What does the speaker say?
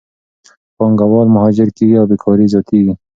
پانګهوال مهاجر کېږي او بیکارۍ زیاتېږي.